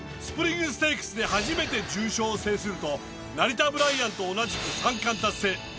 スプリングステークスで初めて重賞を制するとナリタブライアンと同じく３冠達成。